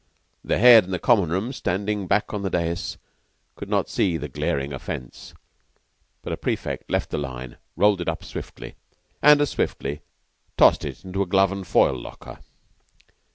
The Head and the Common room, standing back on the dais, could not see the glaring offence, but a prefect left the line, rolled it up swiftly, and as swiftly tossed it into a glove and foil locker.